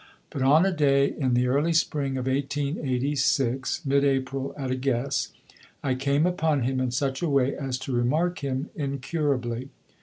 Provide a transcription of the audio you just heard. But on a day in the early spring of 1886 mid April at a guess I came upon him in such a way as to remark him incurably.